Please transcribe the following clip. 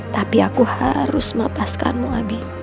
tapi aku harus melepaskanmu abi